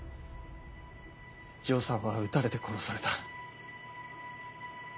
丈さんは撃たれて殺された。